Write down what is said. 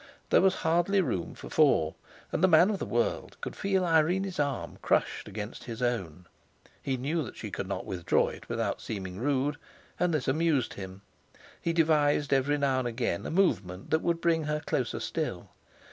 There was hardly room for four, and the man of the world could feel Irene's arm crushed against his own; he knew that she could not withdraw it without seeming rude, and this amused him; he devised every now and again a movement that would bring her closer still.